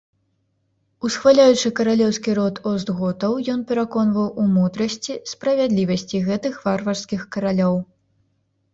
Усхваляючы каралеўскі род остготаў, ён пераконваў у мудрасці, справядлівасці гэтых варварскіх каралёў.